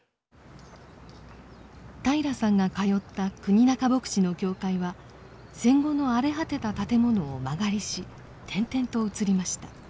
平良さんが通った国仲牧師の教会は戦後の荒れ果てた建物を間借りし転々と移りました。